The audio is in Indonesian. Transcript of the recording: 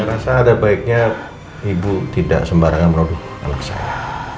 saya rasa ada baiknya ibu tidak sembarangan merobik anak saya